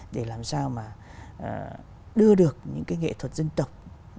để làm sao mà đưa được những cái nghệ thuật dân tộc